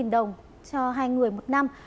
hai mươi đồng cho hai người một năm